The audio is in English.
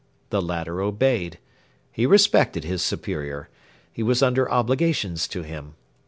The latter obeyed. He respected his superior. He was under obligations to him.